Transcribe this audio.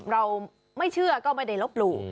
เราไม่เชื่อก็ไม่ได้ลบหลู่